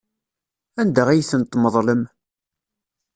Anda ay ten-tmeḍlem?